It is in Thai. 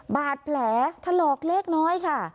บาดแผลถลอกเล็กน้อยค่ะ